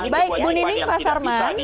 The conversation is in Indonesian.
baik bu nining pak sarman